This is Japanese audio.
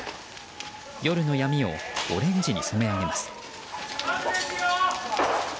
夜の闇をオレンジに染め上げます。